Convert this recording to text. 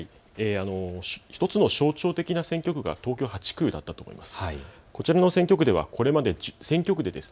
１つの象徴的な選挙区が東京８区だったと思います。